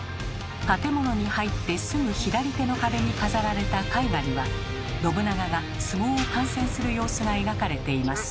建物に入ってすぐ左手の壁に飾られた絵画には信長が相撲を観戦する様子が描かれています。